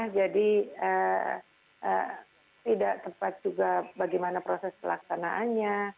jadi tidak tepat juga bagaimana prosesnya